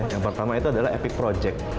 yang pertama itu adalah epic project